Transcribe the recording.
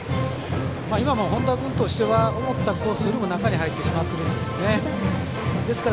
今も本田君としては思ったより中に入ってしまってるんですよね。